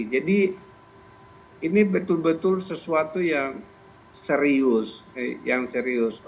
jadi ini betul betul sesuatu yang serius